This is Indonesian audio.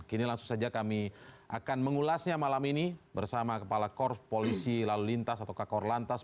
kini langsung saja kami akan mengulasnya malam ini bersama kepala korp polisi lalu lintas atau kakor lantas